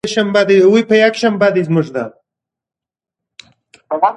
څوک ښار ته تللی و؟